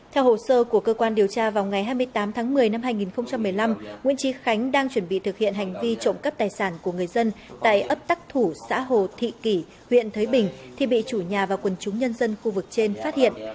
theo hồ sơ của cơ quan điều tra vào ngày hai mươi tám tháng một mươi năm hai nghìn một mươi năm nguyễn trí khánh đang chuẩn bị thực hiện hành vi trộm cắp tài sản của người dân tại ấp tắc thủ xã hồ thị kỷ huyện thới bình thì bị chủ nhà và quần chúng nhân dân khu vực trên phát hiện